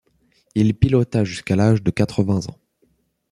Il pilota jusqu’à l’âge de quatre-vingts ans.